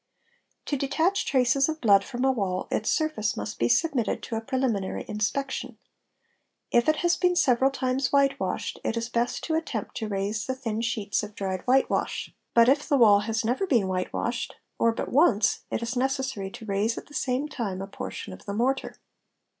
To detach traces of blood from a wall its surface must be submitted — to a preliminary inspection. If it has been several times whitewashed, it is best to attempt to raise the thin sheets of dried whitewash; but — if the wall has never been whitewashed, or but once, it is necessary to 7 raise at the Same time a portion of the mortar.